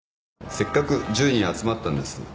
せっかく１０人集まったんです。